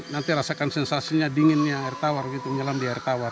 nanti rasakan sensasinya dinginnya air tawar menyelam di air tawar